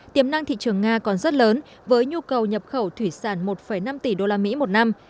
tiềm năng thị trường nga còn rất lớn với nhu cầu nhập khẩu thủy sản một năm tỷ usd một năm